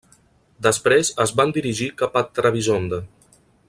Després es van dirigir cap a Trebisonda.